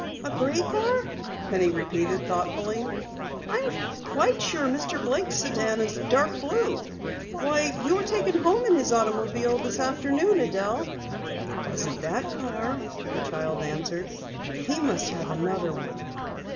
"A gray car?" Penny repeated thoughtfully. "I'm quite sure Mr. Blake's sedan is dark blue. Why, you were taken home in his automobile this afternoon, Adelle." "It wasn't that car," the child answered. "He must have another one."